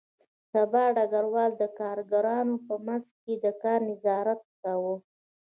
سبا ډګروال د کارګرانو په منځ کې د کار نظارت کاوه